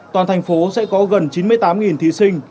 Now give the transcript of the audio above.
toàn thành phố sẽ có gần chín mươi tám thí sinh